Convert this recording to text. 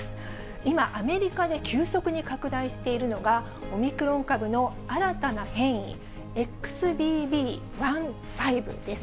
今、アメリカで急速に拡大しているのが、オミクロン株の新たな変異、ＸＢＢ．１．５です。